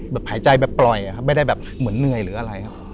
หายใจแบบปล่อยครับไม่ได้แบบเหมือนเหนื่อยหรืออะไรครับ